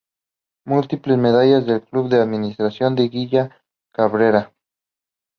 Múltiples Medallas de Club de Admiradoras de Gina Cabrera.